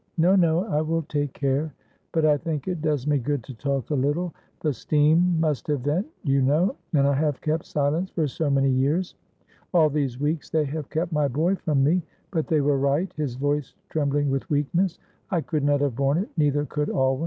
"No, no, I will take care; but I think it does me good to talk a little; the steam must have vent, you know, and I have kept silence for so many years. All these weeks they have kept my boy from me; but they were right," his voice trembling with weakness. "I could not have borne it, neither could Alwyn.